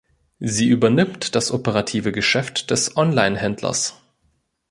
Sie übernimmt das operative Geschäft des Online-Händlers.